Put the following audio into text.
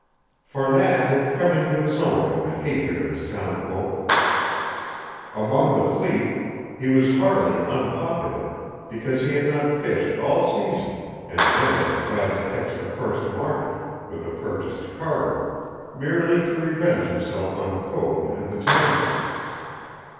For Nat had come into his own in the hatred of his townsfolk. Among the fleet he was heartily unpopular because he had not fished all season and then had tried to catch the first market with a purchased cargo, merely to revenge himself on Code and the Tanners.